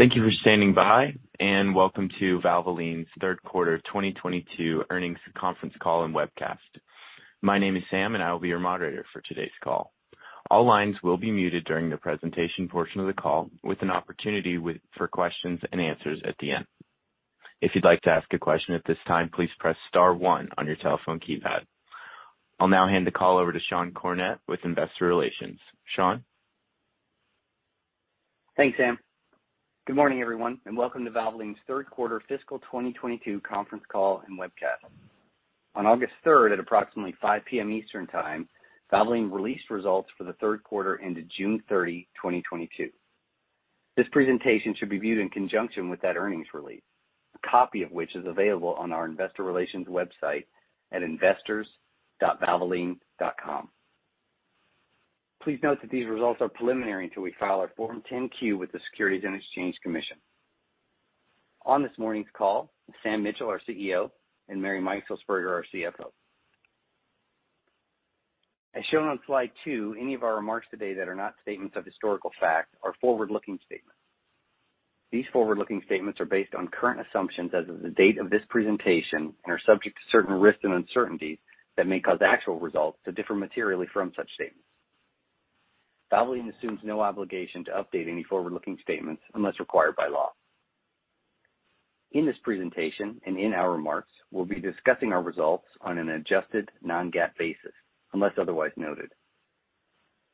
Thank you for standing by, and welcome to Valvoline's Third Quarter 2022 Earnings Conference Call and Webcast. My name is Sam, and I will be your moderator for today's call. All lines will be muted during the presentation portion of the call, with an opportunity for questions and answers at the end. If you'd like to ask a question at this time, please press star one on your telephone keypad. I'll now hand the call over to Sean Cornett with investor relations. Sean? Thanks, Sam. Good morning, everyone, and welcome to Valvoline's Third Quarter Fiscal 2022 Conference Call and Webcast. On August 3rd, at approximately 5:00 P.M. Eastern Time, Valvoline released results for the third quarter ended June 30, 2022. This presentation should be viewed in conjunction with that earnings release, a copy of which is available on our investor relations website at investors.valvoline.com. Please note that these results are preliminary until we file our Form 10-Q with the Securities and Exchange Commission. On this morning's call is Sam Mitchell, our CEO, and Mary Meixelsperger, our CFO. As shown on slide 2, any of our remarks today that are not statements of historical fact are forward-looking statements. These forward-looking statements are based on current assumptions as of the date of this presentation and are subject to certain risks and uncertainties that may cause actual results to differ materially from such statements. Valvoline assumes no obligation to update any forward-looking statements unless required by law. In this presentation, and in our remarks, we'll be discussing our results on an adjusted non-GAAP basis unless otherwise noted.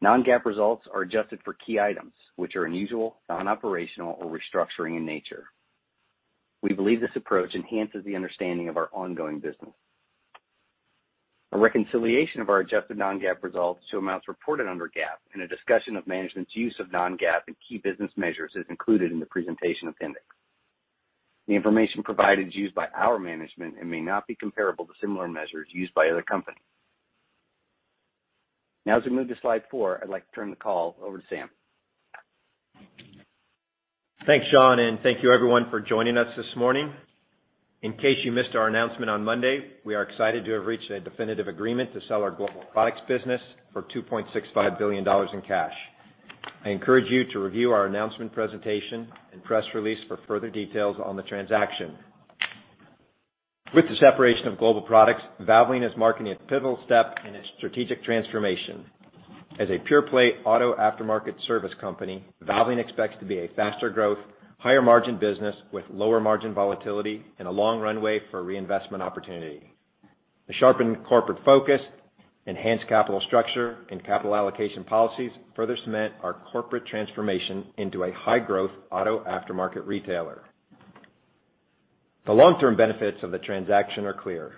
Non-GAAP results are adjusted for key items which are unusual, non-operational or restructuring in nature. We believe this approach enhances the understanding of our ongoing business. A reconciliation of our adjusted non-GAAP results to amounts reported under GAAP and a discussion of management's use of non-GAAP and key business measures is included in the presentation appendix. The information provided is used by our management and may not be comparable to similar measures used by other companies. Now as we move to slide four, I'd like to turn the call over to Sam. Thanks, Sean, and thank you everyone for joining us this morning. In case you missed our announcement on Monday, we are excited to have reached a definitive agreement to sell our Global Products business for $2.65 billion in cash. I encourage you to review our announcement presentation and press release for further details on the transaction. With the separation of Global Products, Valvoline is marking a pivotal step in its strategic transformation. As a pure-play auto aftermarket service company, Valvoline expects to be a faster growth, higher margin business with lower margin volatility and a long runway for reinvestment opportunity. The sharpened corporate focus, enhanced capital structure and capital allocation policies further cement our corporate transformation into a high-growth auto aftermarket retailer. The long-term benefits of the transaction are clear.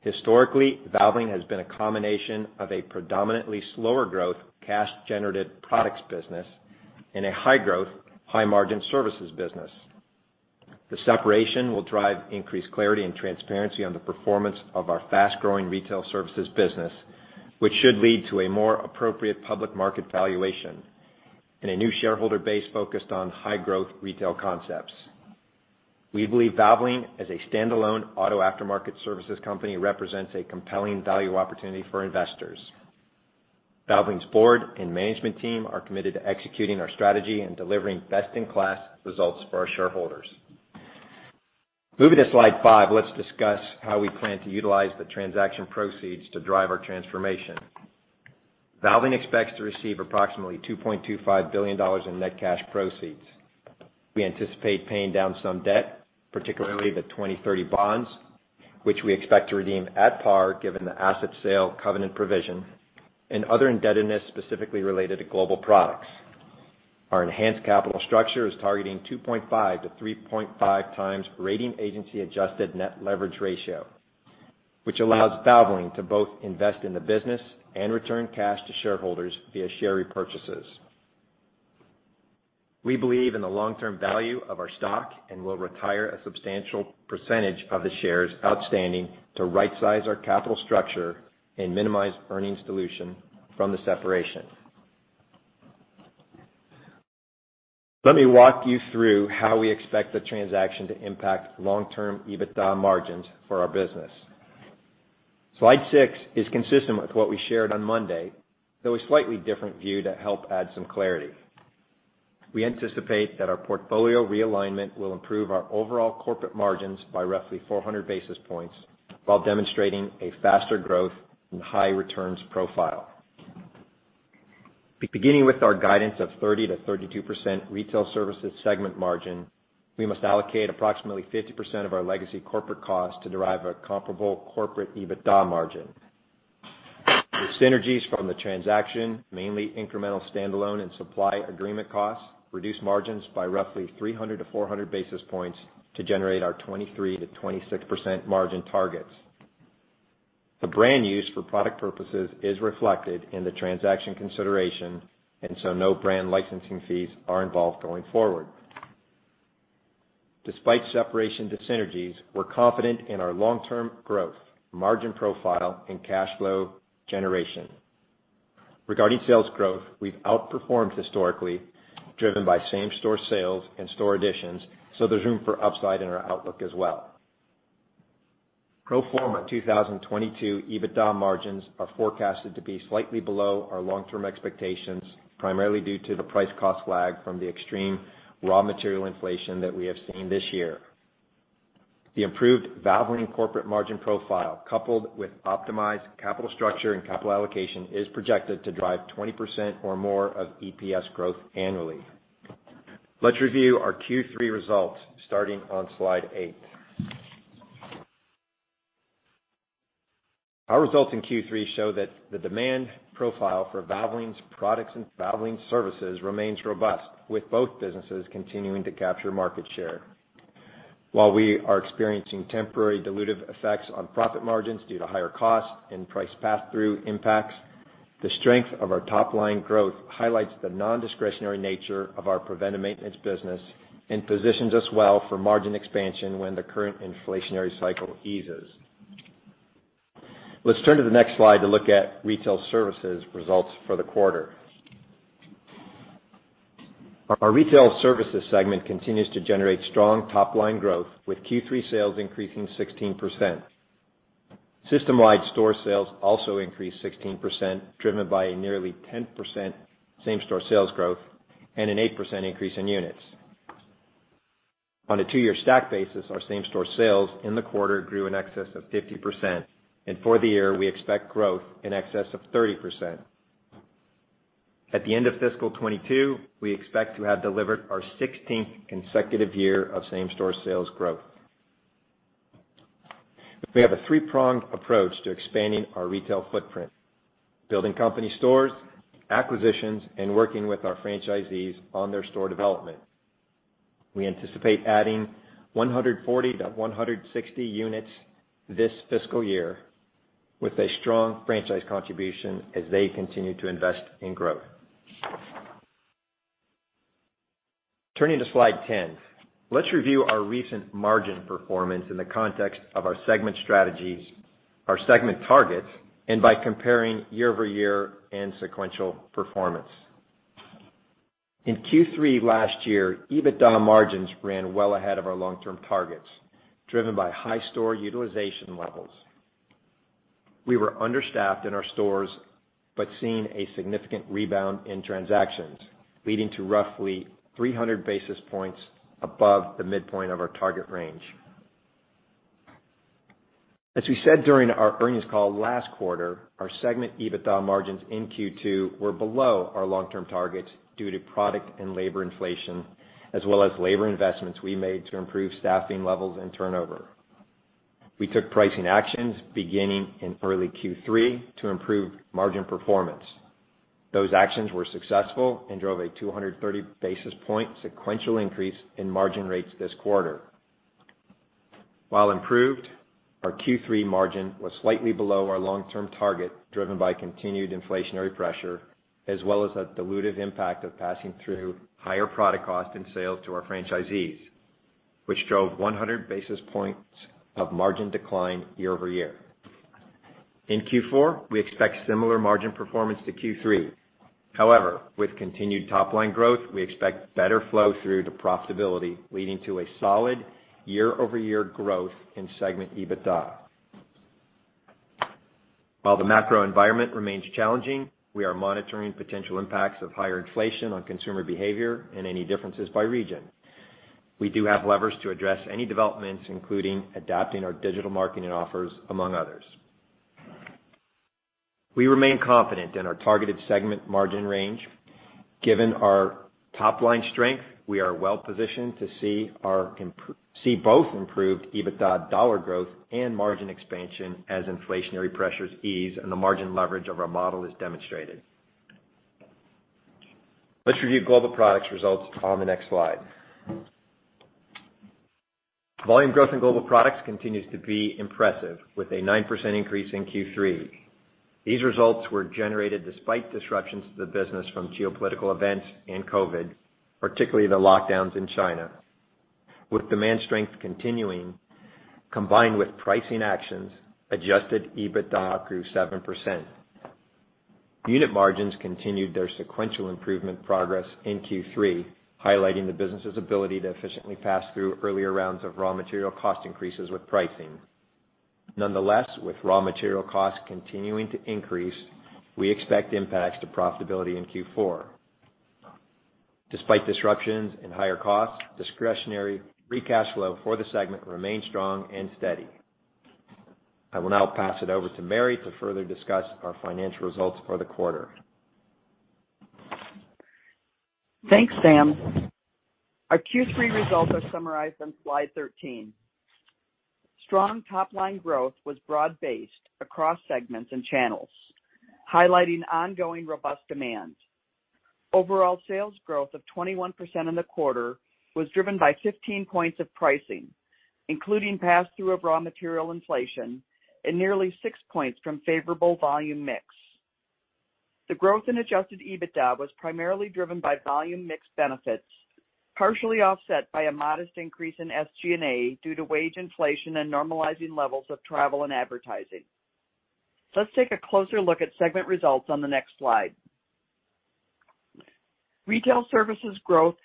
Historically, Valvoline has been a combination of a predominantly slower growth, cash generative products business and a high-growth, high-margin services business. The separation will drive increased clarity and transparency on the performance of our fast-growing Retail Services business, which should lead to a more appropriate public market valuation and a new shareholder base focused on high-growth retail concepts. We believe Valvoline, as a standalone auto aftermarket services company, represents a compelling value opportunity for investors. Valvoline's board and management team are committed to executing our strategy and delivering best-in-class results for our shareholders. Moving to slide 5, let's discuss how we plan to utilize the transaction proceeds to drive our transformation. Valvoline expects to receive approximately $2.25 billion in net cash proceeds. We anticipate paying down some debt, particularly the 2030 bonds, which we expect to redeem at par, given the asset sale covenant provision and other indebtedness specifically related to Global Products. Our enhanced capital structure is targeting 2.5-3.5 times rating agency adjusted net leverage ratio, which allows Valvoline to both invest in the business and return cash to shareholders via share repurchases. We believe in the long-term value of our stock and will retire a substantial percentage of the shares outstanding to rightsize our capital structure and minimize earnings dilution from the separation. Let me walk you through how we expect the transaction to impact long-term EBITDA margins for our business. Slide 6 is consistent with what we shared on Monday, though a slightly different view to help add some clarity. We anticipate that our portfolio realignment will improve our overall corporate margins by roughly 400 basis points while demonstrating a faster growth and high returns profile. Beginning with our guidance of 30%-32% Retail Services segment margin, we must allocate approximately 50% of our legacy corporate costs to derive a comparable corporate EBITDA margin. The synergies from the transaction, mainly incremental standalone and supply agreement costs, reduce margins by roughly 300-400 basis points to generate our 23%-26% margin targets. The brand use for product purposes is reflected in the transaction consideration, and so no brand licensing fees are involved going forward. Despite separation dissynergies, we're confident in our long-term growth, margin profile and cash flow generation. Regarding sales growth, we've outperformed historically, driven by same-store sales and store additions, so there's room for upside in our outlook as well. Pro forma 2022 EBITDA margins are forecasted to be slightly below our long-term expectations, primarily due to the price cost lag from the extreme raw material inflation that we have seen this year. The improved Valvoline corporate margin profile, coupled with optimized capital structure and capital allocation, is projected to drive 20% or more of EPS growth annually. Let's review our Q3 results starting on slide 8. Our results in Q3 show that the demand profile for Valvoline's products and Valvoline's services remains robust, with both businesses continuing to capture market share. While we are experiencing temporary dilutive effects on profit margins due to higher costs and price pass-through impacts, the strength of our top-line growth highlights the non-discretionary nature of our preventive maintenance business and positions us well for margin expansion when the current inflationary cycle eases. Let's turn to the next slide to look at Retail Services results for the quarter. Our Retail Services segment continues to generate strong top-line growth, with Q3 sales increasing 16%. System-wide store sales also increased 16%, driven by a nearly 10% same-store sales growth and an 8% increase in units. On a two-year stack basis, our same-store sales in the quarter grew in excess of 50%, and for the year, we expect growth in excess of 30%. At the end of fiscal 2022, we expect to have delivered our 16th consecutive year of same-store sales growth. We have a three-pronged approach to expanding our retail footprint, building company stores, acquisitions, and working with our franchisees on their store development. We anticipate adding 140-160 units this fiscal year with a strong franchise contribution as they continue to invest in growth. Turning to slide 10, let's review our recent margin performance in the context of our segment strategies, our segment targets, and by comparing year-over-year and sequential performance. In Q3 last year, EBITDA margins ran well ahead of our long-term targets, driven by high store utilization levels. We were understaffed in our stores, but seeing a significant rebound in transactions, leading to roughly 300 basis points above the midpoint of our target range. As we said during our earnings call last quarter, our segment EBITDA margins in Q2 were below our long-term targets due to product and labor inflation, as well as labor investments we made to improve staffing levels and turnover. We took pricing actions beginning in early Q3 to improve margin performance. Those actions were successful and drove a 230 basis points sequential increase in margin rates this quarter. While improved, our Q3 margin was slightly below our long-term target, driven by continued inflationary pressure as well as a dilutive impact of passing through higher product costs and sales to our franchisees, which drove 100 basis points of margin decline year-over-year. In Q4, we expect similar margin performance to Q3. However, with continued top-line growth, we expect better flow through to profitability, leading to a solid year-over-year growth in segment EBITDA. While the macro environment remains challenging, we are monitoring potential impacts of higher inflation on consumer behavior and any differences by region. We do have levers to address any developments, including adapting our digital marketing offers, among others. We remain confident in our targeted segment margin range. Given our top-line strength, we are well-positioned to see both improved EBITDA dollar growth and margin expansion as inflationary pressures ease and the margin leverage of our model is demonstrated. Let's review Global Products results on the next slide. Volume growth in Global Products continues to be impressive, with a 9% increase in Q3. These results were generated despite disruptions to the business from geopolitical events and COVID, particularly the lockdowns in China. With demand strength continuing, combined with pricing actions, adjusted EBITDA grew 7%. Unit margins continued their sequential improvement progress in Q3, highlighting the business's ability to efficiently pass through earlier rounds of raw material cost increases with pricing. Nonetheless, with raw material costs continuing to increase, we expect impacts to profitability in Q4. Despite disruptions and higher costs, discretionary free cash flow for the segment remained strong and steady. I will now pass it over to Mary to further discuss our financial results for the quarter. Thanks, Sam. Our Q3 results are summarized on slide 13. Strong top-line growth was broad-based across segments and channels, highlighting ongoing robust demand. Overall sales growth of 21% in the quarter was driven by 15 points of pricing, including pass-through of raw material inflation and nearly six points from favorable volume mix. The growth in adjusted EBITDA was primarily driven by volume mix benefits, partially offset by a modest increase in SG&A due to wage inflation and normalizing levels of travel and advertising. Let's take a closer look at segment results on the next slide. Retail Services growth,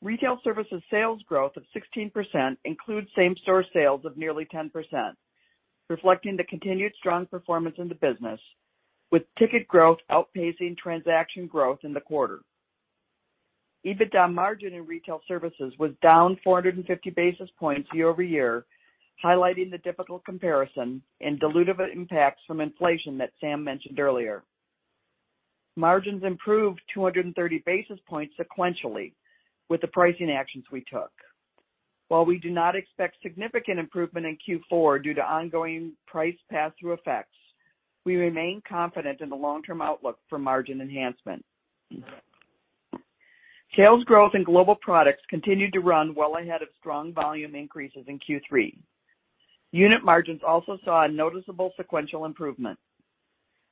Retail Services sales growth of 16% includes same-store sales of nearly 10%, reflecting the continued strong performance in the business, with ticket growth outpacing transaction growth in the quarter. EBITDA margin in Retail Services was down 450 basis points year-over-year, highlighting the difficult comparison and dilutive impacts from inflation that Sam mentioned earlier. Margins improved 230 basis points sequentially with the pricing actions we took. While we do not expect significant improvement in Q4 due to ongoing price pass-through effects, we remain confident in the long-term outlook for margin enhancement. Sales growth in Global Products continued to run well ahead of strong volume increases in Q3. Unit margins also saw a noticeable sequential improvement.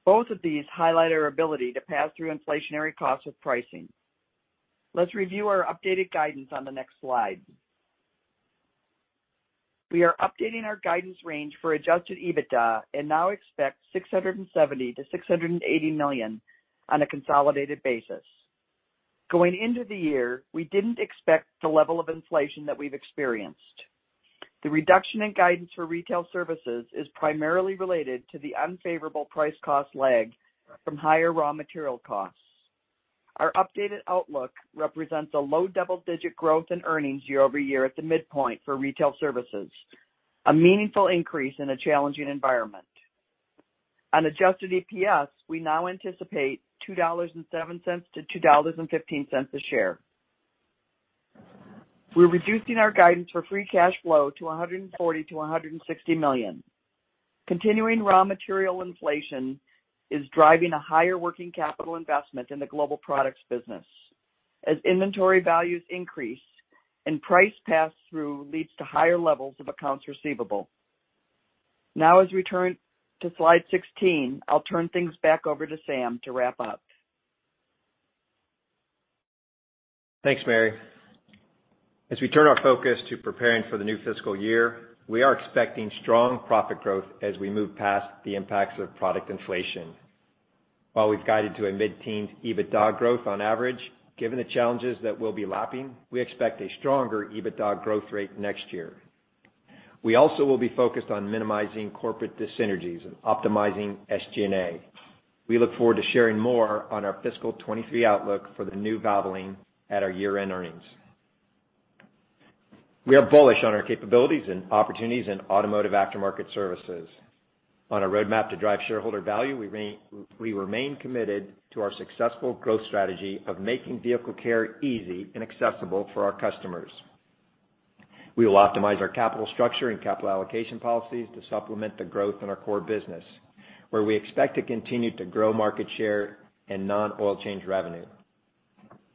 Both of these highlight our ability to pass through inflationary costs with pricing. Let's review our updated guidance on the next slide. We are updating our guidance range for adjusted EBITDA and now expect $670 million-$680 million on a consolidated basis. Going into the year, we didn't expect the level of inflation that we've experienced. The reduction in guidance for Retail Services is primarily related to the unfavorable price-cost lag from higher raw material costs. Our updated outlook represents a low double-digit growth in earnings year-over-year at the midpoint for Retail Services, a meaningful increase in a challenging environment. On adjusted EPS, we now anticipate $2.07-$2.15 a share. We're reducing our guidance for free cash flow to $140 million-$160 million. Continuing raw material inflation is driving a higher working capital investment in the Global Products business as inventory values increase and price pass-through leads to higher levels of accounts receivable. Now as we turn to Slide 16, I'll turn things back over to Sam to wrap up. Thanks, Mary. As we turn our focus to preparing for the new fiscal year, we are expecting strong profit growth as we move past the impacts of product inflation. While we've guided to a mid-teen EBITDA growth on average, given the challenges that we'll be lapping, we expect a stronger EBITDA growth rate next year. We also will be focused on minimizing corporate dyssynergies and optimizing SG&A. We look forward to sharing more on our fiscal 2023 outlook for the new Valvoline at our year-end earnings. We are bullish on our capabilities and opportunities in automotive aftermarket services. On a roadmap to drive shareholder value, we remain committed to our successful growth strategy of making vehicle care easy and accessible for our customers. We will optimize our capital structure and capital allocation policies to supplement the growth in our core business, where we expect to continue to grow market share and non-oil change revenue.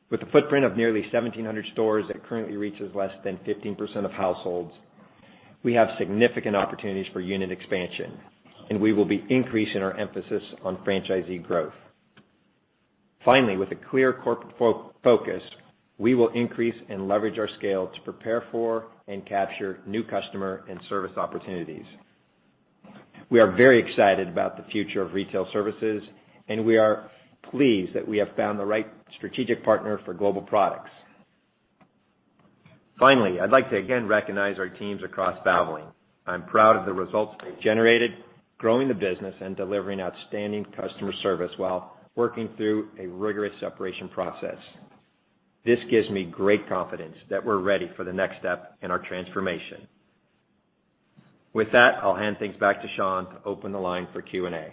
With a footprint of nearly 1,700 stores that currently reaches less than 15% of households, we have significant opportunities for unit expansion, and we will be increasing our emphasis on franchisee growth. Finally, with a clear corporate focus, we will increase and leverage our scale to prepare for and capture new customer and service opportunities. We are very excited about the future of Retail Services, and we are pleased that we have found the right strategic partner for Global Products. Finally, I'd like to again recognize our teams across Valvoline. I'm proud of the results they've generated, growing the business and delivering outstanding customer service while working through a rigorous separation process. This gives me great confidence that we're ready for the next step in our transformation. With that, I'll hand things back to Sean to open the line for Q&A.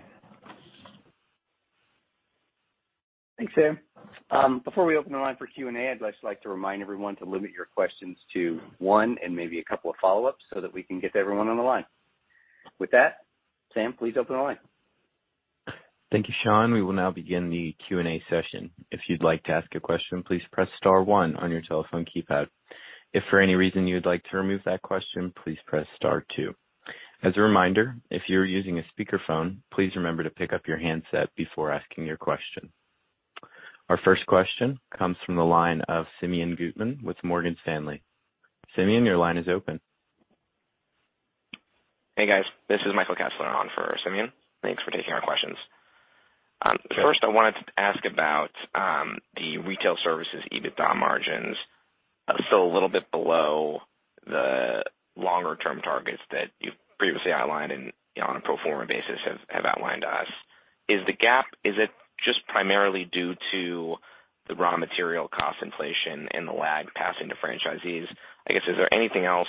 Thanks, Sam. Before we open the line for Q&A, I'd just like to remind everyone to limit your questions to one and maybe a couple of follow-ups so that we can get everyone on the line. With that, Sam, please open the line. Thank you, Sean. We will now begin the Q&A session. If you'd like to ask a question, please press star one on your telephone keypad. If for any reason you'd like to remove that question, please press star two. As a reminder, if you're using a speakerphone, please remember to pick up your handset before asking your question. Our first question comes from the line of Simeon Gutman with Morgan Stanley. Simeon, your line is open. Hey, guys. This is Michael Kessler on for Simeon. Thanks for taking our questions. First, I wanted to ask about the Retail Services EBITDA margins. Still a little bit below the longer-term targets that you've previously outlined and, you know, on a pro forma basis have outlined to us. Is the gap just primarily due to the raw material cost inflation and the lag passing to franchisees? I guess, is there anything else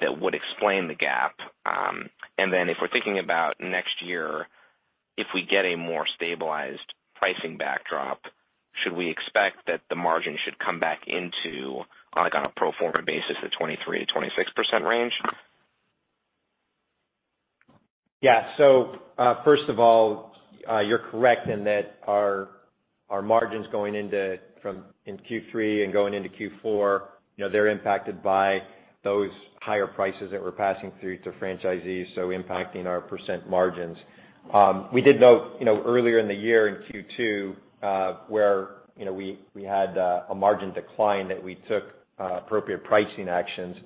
that would explain the gap? If we're thinking about next year, if we get a more stabilized pricing backdrop, should we expect that the margin should come back into, like, on a pro forma basis, the 23%-26% range? Yeah. First of all, you're correct in that our margins going into Q3 and going into Q4, you know, they're impacted by those higher prices that we're passing through to franchisees, so impacting our percent margins. We did note, you know, earlier in the year in Q2, where, you know, we had a margin decline that we took appropriate pricing actions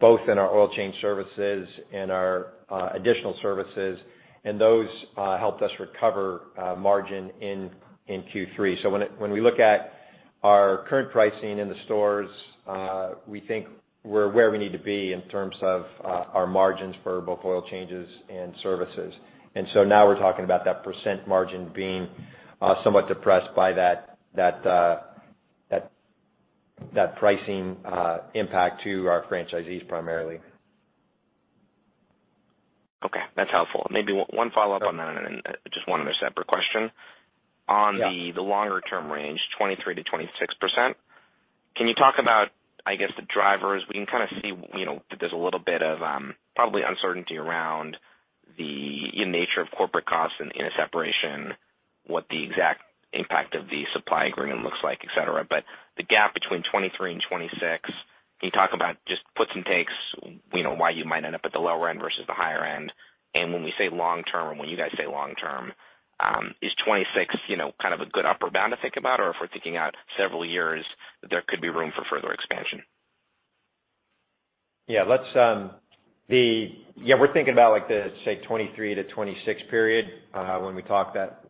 both in our oil change services and our additional services, and those helped us recover margin in Q3. When we look at our current pricing in the stores, we think we're where we need to be in terms of our margins for both oil changes and services. Now we're talking about that percent margin being somewhat depressed by that pricing impact to our franchisees primarily. Okay, that's helpful. Maybe one follow up on that and then just one other separate question. Yeah. On the longer term range, 23%-26%, can you talk about, I guess, the drivers? We can kinda see, you know, that there's a little bit of, probably uncertainty around the nature of corporate costs in a separation, what the exact impact of the supply agreement looks like, et cetera. The gap between 23% and 26%, can you talk about just puts and takes, you know, why you might end up at the lower end versus the higher end? When we say long term, and when you guys say long term, is 26%, you know, kind of a good upper bound to think about? If we're thinking out several years, there could be room for further expansion. Yeah, we're thinking about like the, say, 2023-2026 period, when we talk that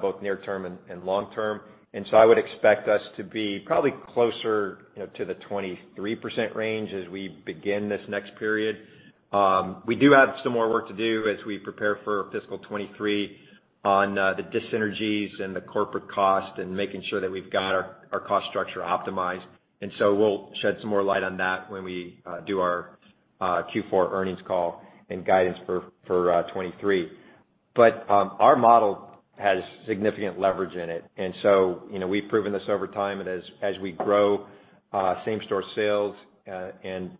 both near term and long term. I would expect us to be probably closer, you know, to the 23% range as we begin this next period. We do have some more work to do as we prepare for fiscal 2023 on the dis-synergies and the corporate cost and making sure that we've got our cost structure optimized. We'll shed some more light on that when we do our Q4 earnings call and guidance for 2023. Our model has significant leverage in it. You know, we've proven this over time, and as we grow same-store sales and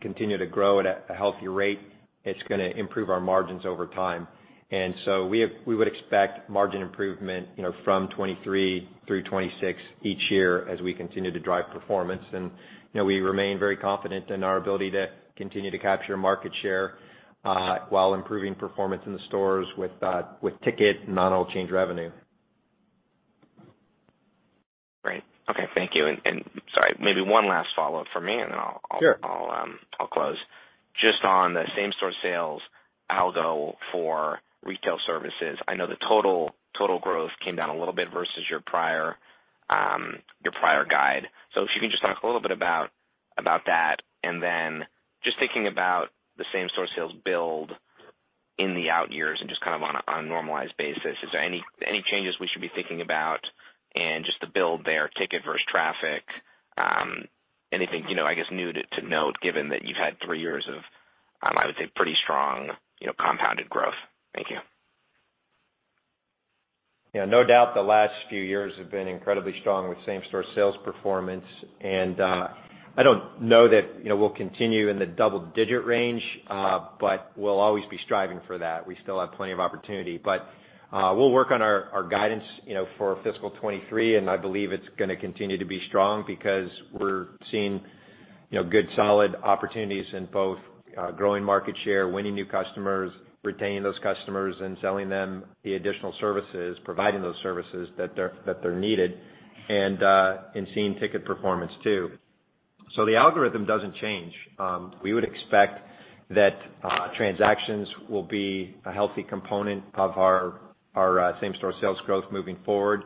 continue to grow at a healthy rate, it's gonna improve our margins over time. We would expect margin improvement, you know, from 2023 through 2026 each year as we continue to drive performance. You know, we remain very confident in our ability to continue to capture market share while improving performance in the stores with ticket, not oil change revenue. Great. Okay, thank you. Sorry, maybe one last follow-up from me, and then I'll Sure. I'll close. Just on the same-store sales algo for Retail Services. I know the total growth came down a little bit versus your prior guide. If you can just talk a little bit about that, and then just thinking about the same-store sales build in the out years and just kind of on a normalized basis. Is there any changes we should be thinking about? Just the build there, ticket versus traffic, anything, you know, I guess new to note given that you've had three years of, I would say pretty strong, you know, compounded growth. Thank you. Yeah, no doubt the last few years have been incredibly strong with same-store sales performance. I don't know that, you know, we'll continue in the double-digit range, but we'll always be striving for that. We still have plenty of opportunity. We'll work on our guidance, you know, for fiscal 2023, and I believe it's gonna continue to be strong because we're seeing, you know, good, solid opportunities in both growing market share, winning new customers, retaining those customers, and selling them the additional services, providing those services that they're needed, and seeing ticket performance too. The algorithm doesn't change. We would expect that transactions will be a healthy component of our same-store sales growth moving forward.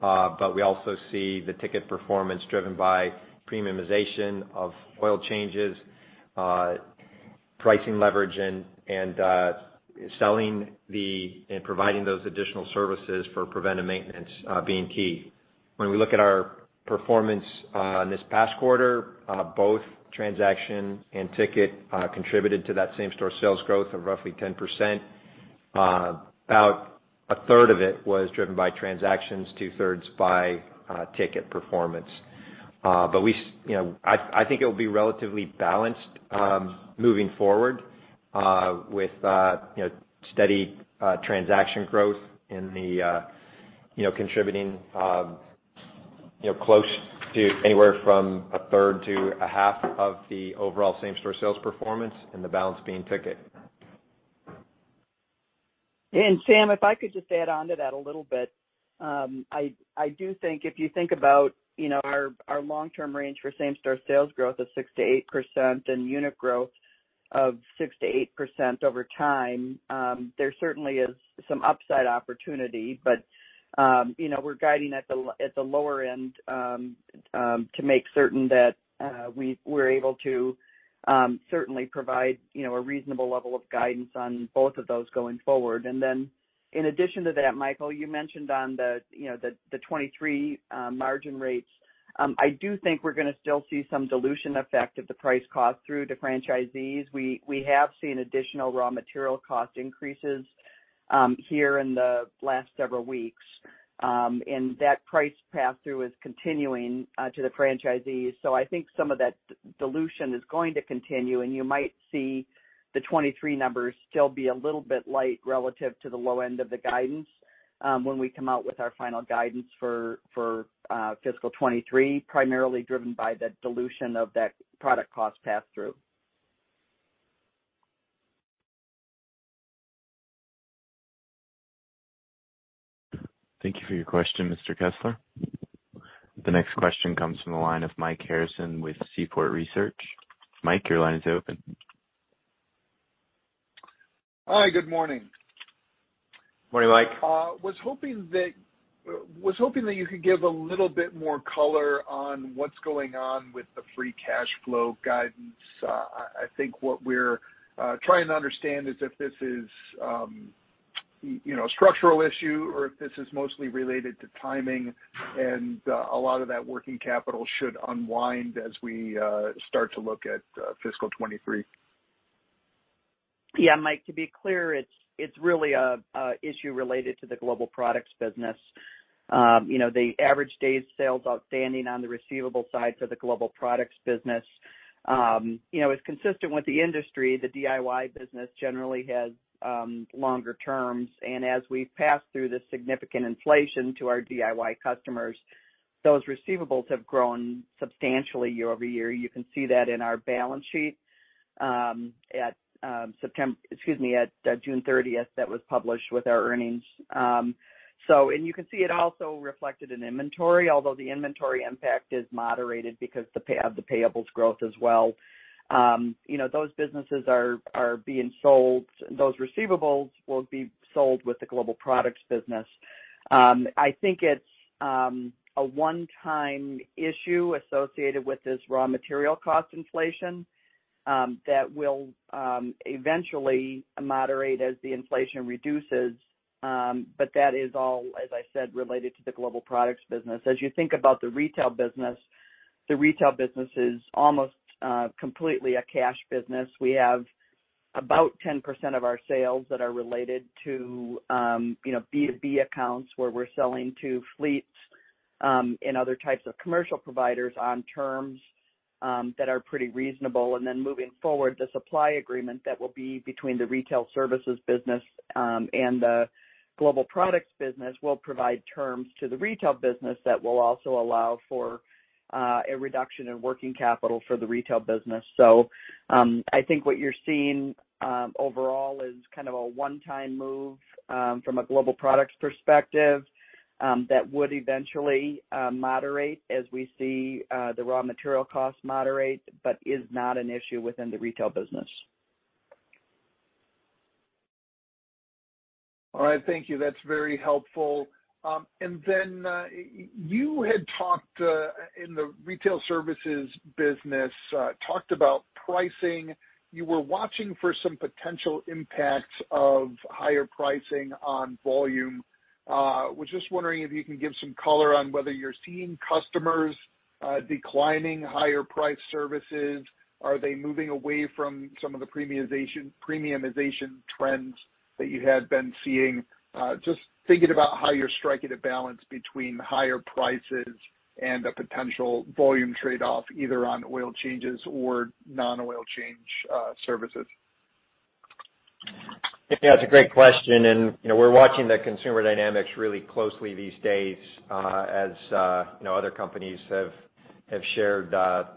We also see the ticket performance driven by premiumization of oil changes, pricing leverage and providing those additional services for preventive maintenance being key. When we look at our performance in this past quarter, both transaction and ticket contributed to that same-store sales growth of roughly 10%. About a third of it was driven by transactions, two-thirds by ticket performance. You know, I think it will be relatively balanced moving forward with you know, steady transaction growth in the you know, contributing close to anywhere from a third to a half of the overall same-store sales performance and the balance being ticket. Sam, if I could just add on to that a little bit. I do think if you think about, you know, our long-term range for same-store sales growth of 6%-8% and unit growth of 6%-8% over time, there certainly is some upside opportunity. You know, we're guiding at the lower end to make certain that we're able to certainly provide, you know, a reasonable level of guidance on both of those going forward. Then in addition to that, Michael, you mentioned on the, you know, the 2023 margin rates. I do think we're gonna still see some dilution effect of the price cost through to franchisees. We have seen additional raw material cost increases here in the last several weeks. That price pass-through is continuing to the franchisees. I think some of that dilution is going to continue, and you might see the 2023 numbers still be a little bit light relative to the low end of the guidance, when we come out with our final guidance for fiscal 2023, primarily driven by the dilution of that product cost pass-through. Thank you for your question, Mr. Kessler. The next question comes from the line of Mike Harrison with Seaport Research Partners. Mike, your line is open. Hi, good morning. Morning, Mike. Was hoping that you could give a little bit more color on what's going on with the free cash flow guidance. I think what we're trying to understand is if this is you know, a structural issue or if this is mostly related to timing and a lot of that working capital should unwind as we start to look at fiscal 2023. Yeah, Mike, to be clear, it's really an issue related to the Global Products business. You know, the average days sales outstanding on the receivable side for the Global Products business, you know, is consistent with the industry. The DIY business generally has longer terms, and as we pass through the significant inflation to our DIY customers, those receivables have grown substantially year-over-year. You can see that in our balance sheet at June thirtieth, that was published with our earnings. You can see it also reflected in inventory, although the inventory impact is moderated because the payables growth as well. You know, those businesses are being sold, those receivables will be sold with the Global Products business. I think it's a one-time issue associated with this raw material cost inflation that will eventually moderate as the inflation reduces. That is all, as I said, related to the Global Products business. As you think about the retail business, the retail business is almost completely a cash business. We have about 10% of our sales that are related to, you know, B2B accounts, where we're selling to fleets and other types of commercial providers on terms that are pretty reasonable. Moving forward, the supply agreement that will be between the Retail Services business and the Global Products business will provide terms to the retail business that will also allow for a reduction in working capital for the retail business. I think what you're seeing overall is kind of a one-time move from a Global Products perspective that would eventually moderate as we see the raw material costs moderate, but is not an issue within the retail business. All right. Thank you. That's very helpful. You had talked in the Retail Services business about pricing. You were watching for some potential impacts of higher pricing on volume. Was just wondering if you can give some color on whether you're seeing customers declining higher priced services. Are they moving away from some of the premiumization trends that you had been seeing? Just thinking about how you're striking a balance between higher prices and a potential volume trade-off, either on oil changes or non-oil change services. Yeah, it's a great question, and you know, we're watching the consumer dynamics really closely these days, as you know, other companies have shared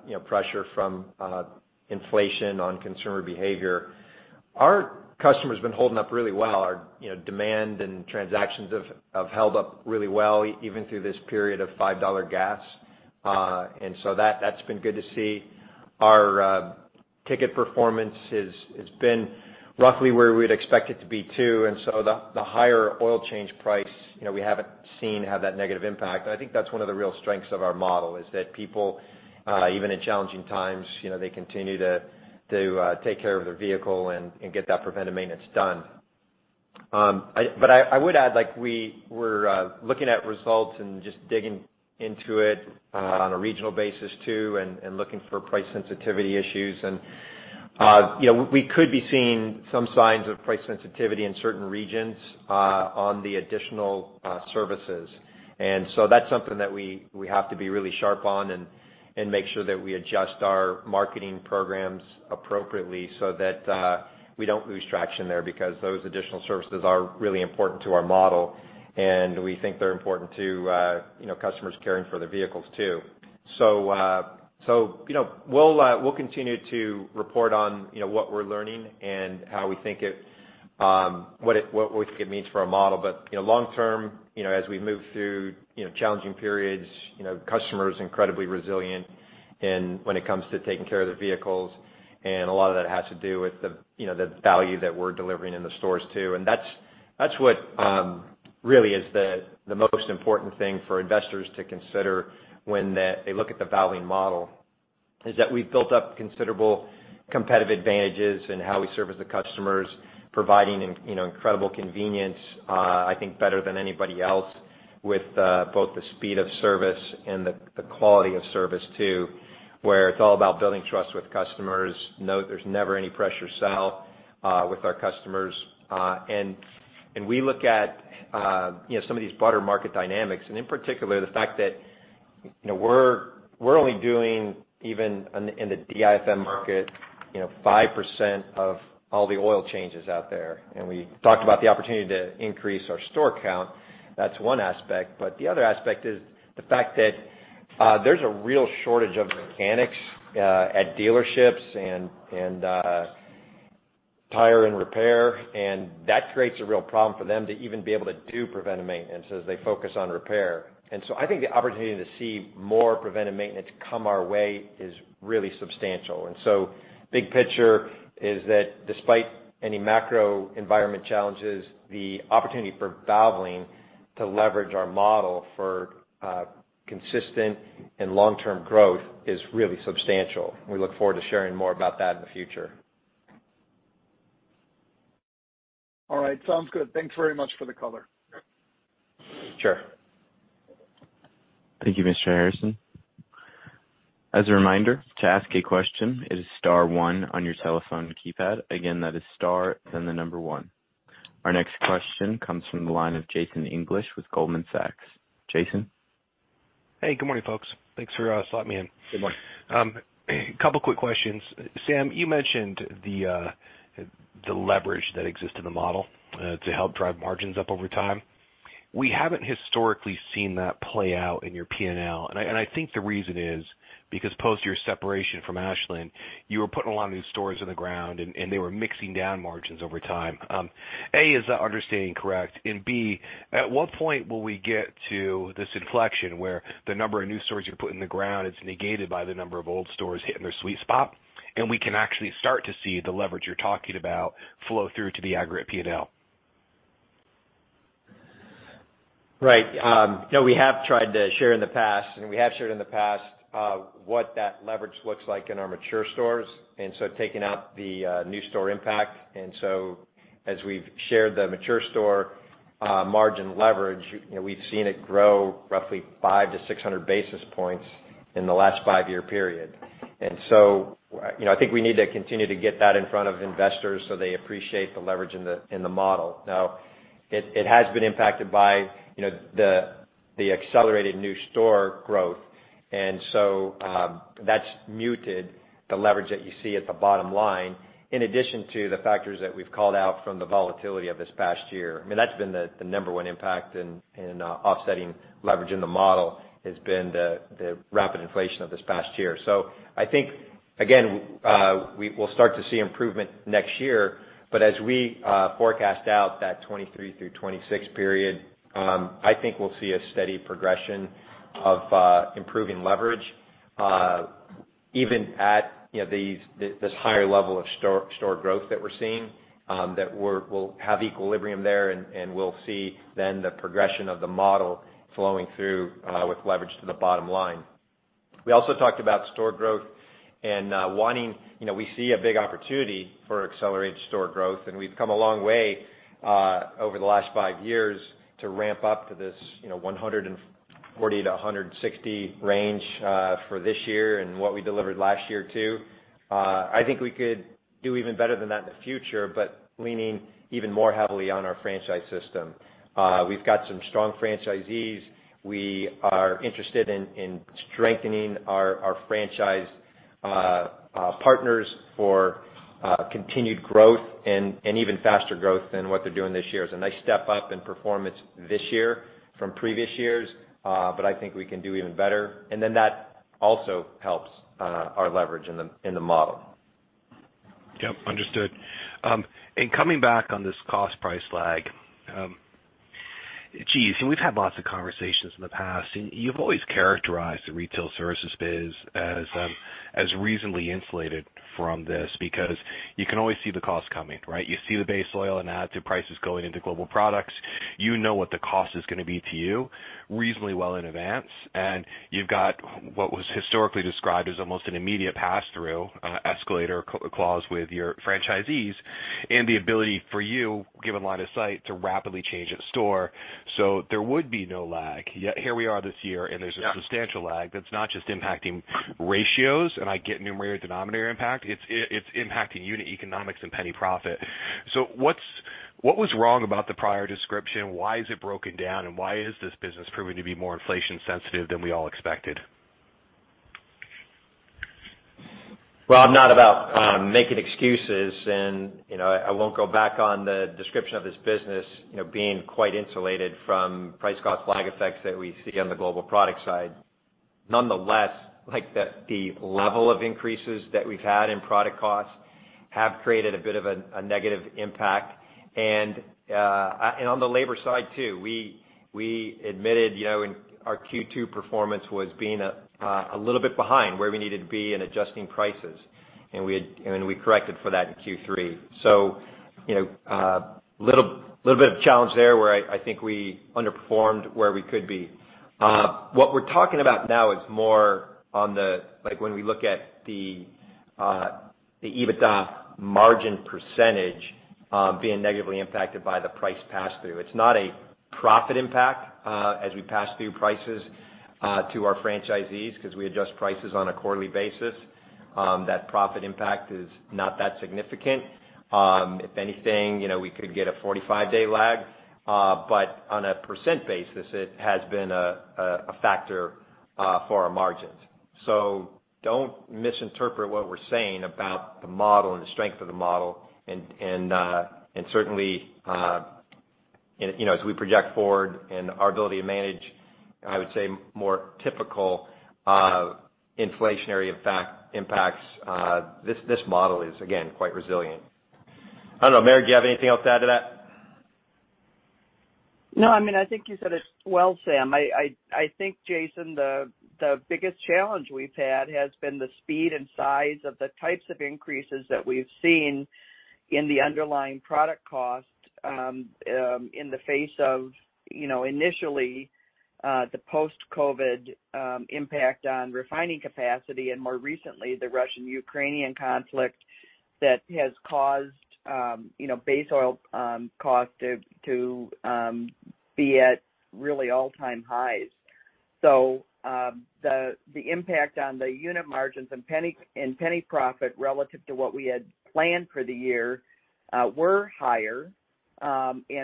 you know, pressure from inflation on consumer behavior. Our customers been holding up really well. Our you know, demand and transactions have held up really well even through this period of $5 gas. That's been good to see. Our ticket performance has been roughly where we'd expect it to be too, and so the higher oil change price, you know, we haven't seen that negative impact. I think that's one of the real strengths of our model, is that people even in challenging times, you know, they continue to take care of their vehicle and get that preventive maintenance done. But I would add, like we're looking at results and just digging into it on a regional basis too, and looking for price sensitivity issues. You know, we could be seeing some signs of price sensitivity in certain regions on the additional services. That's something that we have to be really sharp on and make sure that we adjust our marketing programs appropriately so that we don't lose traction there, because those additional services are really important to our model, and we think they're important to, you know, customers caring for their vehicles too. You know, we'll continue to report on what we're learning and what we think it means for our model. You know, long term, you know, as we move through, you know, challenging periods, you know, customer is incredibly resilient when it comes to taking care of their vehicles. A lot of that has to do with you know, the value that we're delivering in the stores too. That's what really is the most important thing for investors to consider when they look at the value model, is that we've built up considerable competitive advantages in how we service the customers, providing you know, incredible convenience, I think better than anybody else with both the speed of service and the quality of service too, where it's all about building trust with customers. No, there's never any pressure to sell with our customers. We look at, you know, some of these broader market dynamics, and in particular, the fact that, you know, we're only doing even in the DIFM market, you know, 5% of all the oil changes out there. We talked about the opportunity to increase our store count. That's one aspect. The other aspect is the fact that there's a real shortage of mechanics at dealerships and tire and repair, and that creates a real problem for them to even be able to do preventive maintenance as they focus on repair. I think the opportunity to see more preventive maintenance come our way is really substantial. Big picture is that despite any macro environment challenges, the opportunity for Valvoline to leverage our model for consistent and long-term growth is really substantial. We look forward to sharing more about that in the future. All right, sounds good. Thanks very much for the color. Sure. Thank you, Mr. Harrison. As a reminder, to ask a question, it is star one on your telephone keypad. Again, that is star, then the number one. Our next question comes from the line of Jason English with Goldman Sachs. Jason? Hey, good morning, folks. Thanks for slotting me in. Good morning. A couple quick questions. Sam, you mentioned the leverage that exists in the model to help drive margins up over time. We haven't historically seen that play out in your P&L, and I think the reason is because post your separation from Ashland, you were putting a lot of new stores on the ground and they were mixing down margins over time. A, is that understanding correct? B, at what point will we get to this inflection where the number of new stores you're putting in the ground is negated by the number of old stores hitting their sweet spot, and we can actually start to see the leverage you're talking about flow through to the aggregate P&L? Right. You know, we have tried to share in the past, and we have shared in the past, what that leverage looks like in our mature stores, taking out the new store impact. As we've shared the mature store margin leverage, you know, we've seen it grow roughly 500-600 basis points in the last five-year period. You know, I think we need to continue to get that in front of investors so they appreciate the leverage in the model. Now, it has been impacted by, you know, the accelerated new store growth. That's muted the leverage that you see at the bottom line, in addition to the factors that we've called out from the volatility of this past year. I mean, that's been the number one impact in offsetting leverage in the model, has been the rapid inflation of this past year. I think, again, we will start to see improvement next year, but as we forecast out that 2023 through 2026 period, I think we'll see a steady progression of improving leverage, even at you know, this higher level of store growth that we're seeing, we'll have equilibrium there, and we'll see then the progression of the model flowing through with leverage to the bottom line. We also talked about store growth and wanting. You know, we see a big opportunity for accelerated store growth, and we've come a long way over the last five years to ramp up to this, you know, 140-160 range for this year and what we delivered last year too. I think we could do even better than that in the future, but leaning even more heavily on our franchise system. We've got some strong franchisees. We are interested in strengthening our franchise partners for continued growth and even faster growth than what they're doing this year. It's a nice step up in performance this year from previous years, but I think we can do even better. That also helps our leverage in the model. Yep, understood. Coming back on this cost price lag, geez, we've had lots of conversations in the past, and you've always characterized the Retail Services biz as reasonably insulated from this because you can always see the cost coming, right? You see the base oil and additive prices going into Global Products. You know what the cost is gonna be to you reasonably well in advance. You've got what was historically described as almost an immediate pass-through, escalator clause with your franchisees and the ability for you, given line of sight, to rapidly change at store, so there would be no lag. Yet here we are this year, and there's Yeah. A substantial lag that's not just impacting ratios, and I get numerator/denominator impact. It's impacting unit economics and penny profit. What was wrong about the prior description? Why is it broken down, and why is this business proving to be more inflation sensitive than we all expected? Rob, I'm not about making excuses, and, you know, I won't go back on the description of this business, you know, being quite insulated from price cost lag effects that we see on the Global Products side. Nonetheless, the level of increases that we've had in product costs have created a bit of a negative impact. And on the labor side too, we admitted, you know, in our Q2 performance was being a little bit behind where we needed to be in adjusting prices. We corrected for that in Q3. You know, little bit of challenge there where I think we underperformed where we could be. What we're talking about now is more on the. Like, when we look at the EBITDA margin percentage being negatively impacted by the price pass-through. It's not a profit impact as we pass through prices to our franchisees 'cause we adjust prices on a quarterly basis. That profit impact is not that significant. If anything, you know, we could get a 45-day lag. But on a percent basis, it has been a factor for our margins. Don't misinterpret what we're saying about the model and the strength of the model and certainly, you know, as we project forward and our ability to manage, I would say more typical inflationary impacts, this model is again quite resilient. I don't know. Mary, do you have anything else to add to that? No. I mean, I think you said it well, Sam. I think, Jason, the biggest challenge we've had has been the speed and size of the types of increases that we've seen in the underlying product costs in the face of, you know, initially, the post-COVID impact on refining capacity and more recently the Russian-Ukrainian conflict that has caused, you know, base oil costs to be at really all-time highs. The impact on the unit margins and penny profit relative to what we had planned for the year were higher.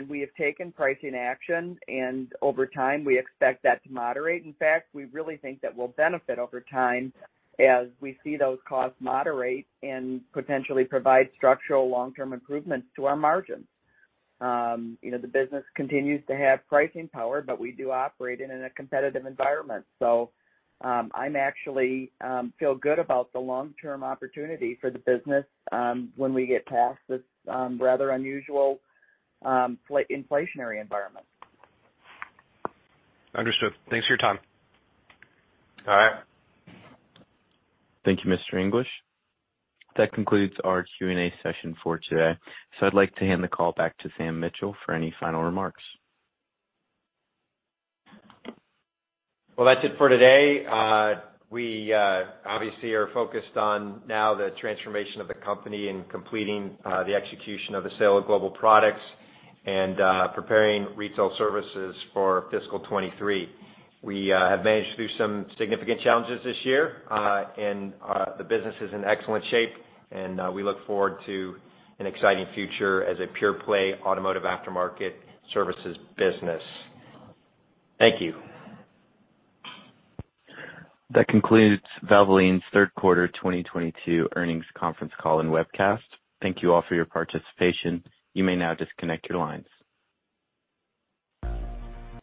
We have taken pricing action, and over time, we expect that to moderate. In fact, we really think that we'll benefit over time as we see those costs moderate and potentially provide structural long-term improvements to our margins. You know, the business continues to have pricing power, but we do operate in a competitive environment. I actually feel good about the long-term opportunity for the business when we get past this rather unusual inflationary environment. Understood. Thanks for your time. All right. Thank you, Mr. English. That concludes our Q&A session for today. I'd like to hand the call back to Sam Mitchell for any final remarks. Well, that's it for today. We obviously are focused on now the transformation of the company and completing the execution of the sale of Global Products and preparing Retail Services for fiscal 2023. We have managed through some significant challenges this year, and the business is in excellent shape, and we look forward to an exciting future as a pure play automotive aftermarket services business. Thank you. That concludes Valvoline's Third Quarter 2022 Earnings Conference Call and Webcast. Thank you all for your participation. You may now disconnect your lines.